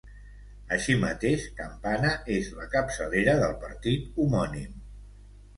Així mateix, Campana és la capçalera del partit homònim.